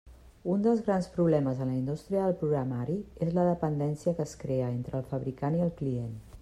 Un dels grans problemes en la indústria del programari és la dependència que es crea entre el fabricant i el client.